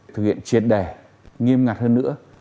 thực hiện triệt đẻ nghiêm ngặt hơn nữa